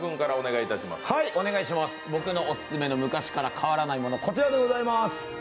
僕のオススメの昔から変わらないもの、こちらでございます。